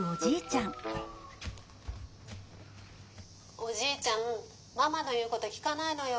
「おじいちゃんママの言うこと聞かないのよ。